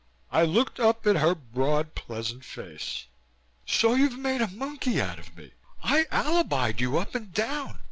I looked up at her broad, pleasant face. "So you've made a monkey out of me. I alibied you up and down.